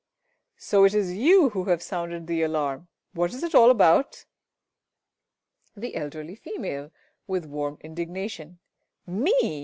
So it is you who have sounded the alarm! What is it all about? The Elderly Female (with warm indignation). Me?